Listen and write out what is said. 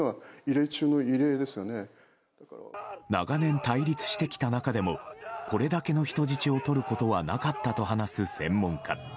長年、対立してきた中でもこれだけの人質をとることはなかったと話す専門家。